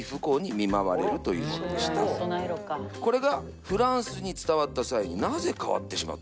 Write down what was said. これがフランスに伝わった際になぜ変わってしまったのか。